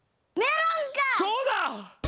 そうだ！